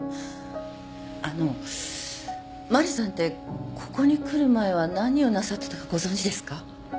あのマリさんってここに来る前は何をなさってたかご存じですか？